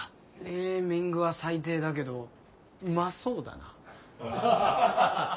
ネーミングは最低だけどうまそうだな。